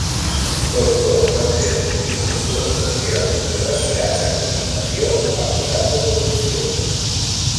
Tots dos van ser escollits en dues ocasions i retirats a continuació acusats de corrupció.